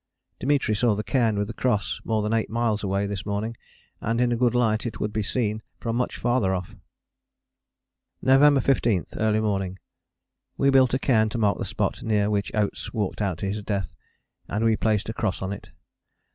Dimitri saw the Cairn with the Cross more than eight miles away this morning, and in a good light it would be seen from much farther off. November 15. Early morning. We built a cairn to mark the spot near which Oates walked out to his death, and we placed a cross on it.